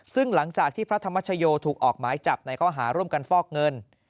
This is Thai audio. ซึ่งหลังจากที่พระธรรมชโยถูกออกหมายจับในข้อหาร่วมกันฟอกเงิน